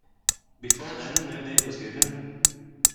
Before then no date was given.